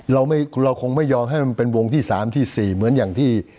เราไม่เราคงไม่ยอมให้มันเป็นวงที่สามที่สี่เหมือนอย่างที่